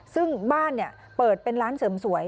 ซึ่งบ้านเปิดเป็นร้านเสริมสวย